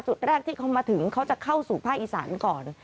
จุดแรกที่เขามาถึงเขาจะเข้าสู่ภาคอีสานก่อน